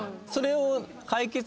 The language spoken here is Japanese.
それを。